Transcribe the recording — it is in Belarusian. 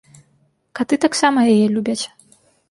Каты таксама яе любяць.